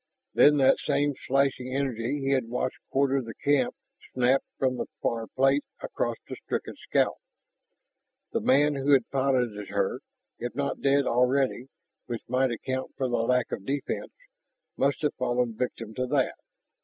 Then that same slashing energy he had watched quarter the camp snapped from the far plate across the stricken scout. The man who had piloted her, if not dead already (which might account for the lack of defense), must have fallen victim to that.